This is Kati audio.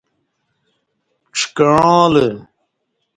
ڄکعاں لہ